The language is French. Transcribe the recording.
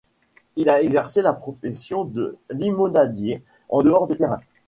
Il a exercé la profession de limonadier en dehors des terrains.